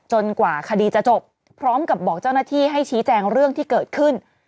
กว่าคดีจะจบพร้อมกับบอกเจ้าหน้าที่ให้ชี้แจงเรื่องที่เกิดขึ้น